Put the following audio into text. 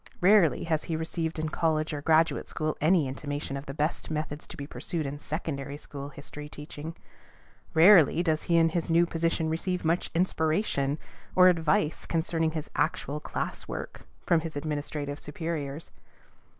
Rarely has he received in college or graduate school any intimation of the best methods to be pursued in secondary school history teaching. Rarely does he in his new position receive much inspiration or advice concerning his actual class work from his administrative superiors.